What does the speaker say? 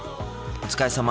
お疲れさま。